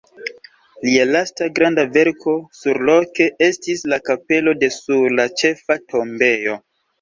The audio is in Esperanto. Lia lasta granda verko surloke estis la kapelo de sur la ĉefa tombejo.